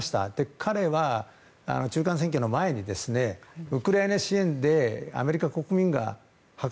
彼は、中間選挙の前にウクライナ支援でアメリカ国民が。